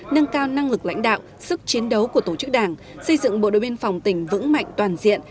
nâng cao năng lực lãnh đạo sức chiến đấu của tổ chức đảng xây dựng bộ đội biên phòng tỉnh vững mạnh toàn diện